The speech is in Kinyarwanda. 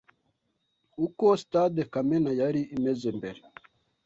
Uko Sitade Kamena yari imeze mbere